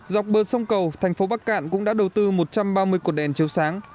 dọc bờ sông cầu thành phố bắc cạn cũng đã đầu tư một trăm ba mươi cột đèn chiếu sáng